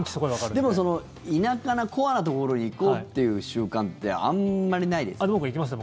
でも田舎な、コアなところに行こうという習慣ってあんまりないですか？